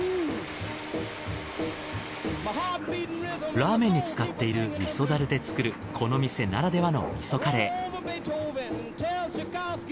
ラーメンに使っている味噌ダレで作るこの店ならではの味噌カレー。